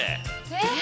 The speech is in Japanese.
えっ。